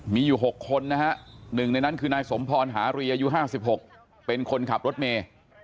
มีอยู่๖คนนะฮะหนึ่งในนั้นคือนายสมพรหารีอายุ๕๖เป็นคนขับรถเมย์